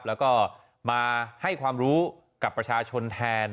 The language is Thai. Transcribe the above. แล้วก็มาให้ความรู้กับประชาชนแทน